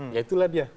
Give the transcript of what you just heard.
ya itulah dia